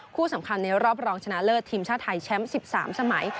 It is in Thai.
คู่สำคัญในรอบรองชนะเลิศทีมชาติไทยแชมป์๑๓สมัย